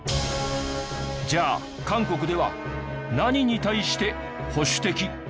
じゃあ韓国では何に対して保守的？